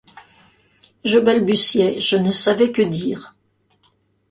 Je balbutiais, je ne savais que dire.